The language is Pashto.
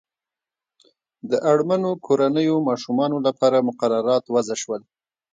د اړمنو کورنیو ماشومانو لپاره مقررات وضع شول.